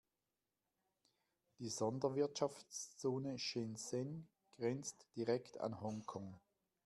Die Sonderwirtschaftszone Shenzhen grenzt direkt an Hongkong.